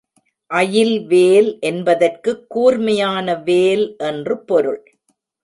அயில் வேல் என்பதற்குக் கூர்மையான வேல் என்று பொருள்.